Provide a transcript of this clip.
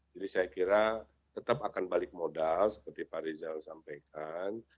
jadi saya kira tetap akan balik modal seperti pak rizal sampaikan